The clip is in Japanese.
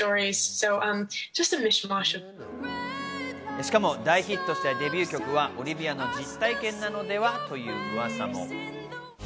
しかも、大ヒットしたデビュー曲はオリヴィアの実体験なのでは？という噂も。